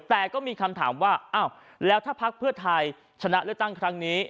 แต่ก็มีคำถามว่าอ้าวแล้วถ้าพักเพื่อไทยชนะเลือกตั้งครั้งนี้